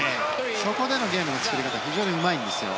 そこでのゲームの作り方が非常にうまいんですよ。